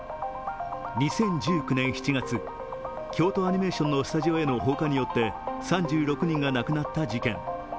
２０１９年７月、京都アニメーションのスタジオへの放火によって３６人が亡くなった事件。